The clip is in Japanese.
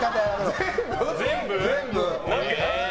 全部？